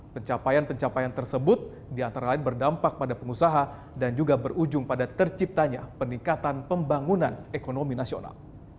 pencapaian pencapaian tersebut diantara lain berdampak pada pengusaha dan juga berujung pada terciptanya peningkatan pembangunan ekonomi nasional